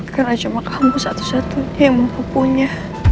karena cuma kamu satu satunya yang mau kupunya